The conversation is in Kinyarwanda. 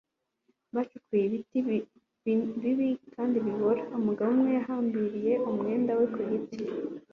bacukuye ibiti bibi kandi bibora. umugabo umwe yahambiriye umwenda we ku giti